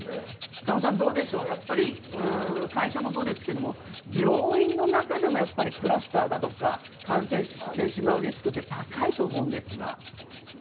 鹿野さん、どうでしょう会社もそうですが病院の中でもやっぱりクラスターだとか感染してしまうリスクって高いと思うんですが。